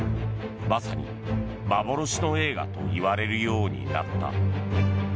まさに幻の映画といわれるようになった。